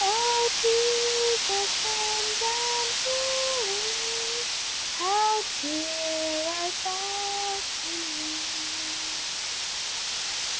O Jesus, Friend unfailing! How dear art thou to me!'"